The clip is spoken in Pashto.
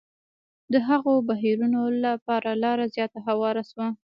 د هغو بهیرونو لپاره لاره زیاته هواره شوه.